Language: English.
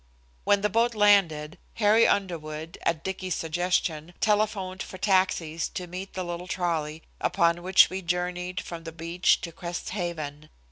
When the boat landed, Harry Underwood, at Dicky's suggestion, telephoned for taxis to meet the little trolley, upon which we journeyed from the beach to Crest Haven.